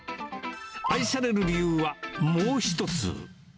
愛される理由はもう一つ。